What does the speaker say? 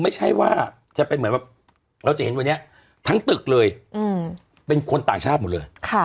ไม่ใช่ว่าจะเป็นเหมือนแบบเราจะเห็นวันนี้ทั้งตึกเลยเป็นคนต่างชาติหมดเลย